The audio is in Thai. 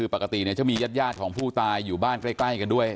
ปกติจะมีญาติของผู้ตายอยู่บ้านใกล้กันด้วย